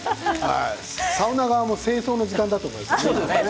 サウナ側も清掃の時間だと思います。